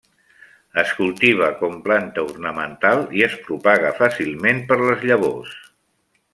Es cultiva com planta ornamental i es propaga fàcilment per les llavors.